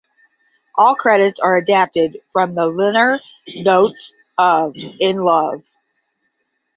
All credits are adapted from the liner notes of "In Love".